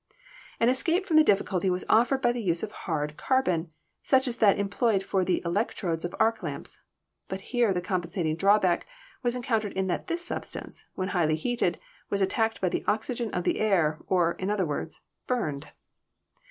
"An escape from the difficulty was offered by the use of hard carbon, such as that employed for the electrodes of arc lamps; but here the compensating drawback was encountered that this substance, when highly heated, was attacked by the oxygen of the air, or, in other words, burned.